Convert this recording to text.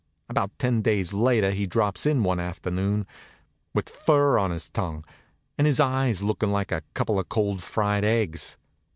About ten days later he drops in one afternoon, with fur on his tongue, and his eyes lookin' like a couple of cold fried eggs.